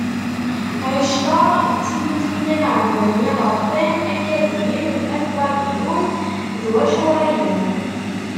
Ɛictar d tillut i llan ɛebbden yiɣerfan: Akkadiyen, At Babilun d Wacuṛiyen.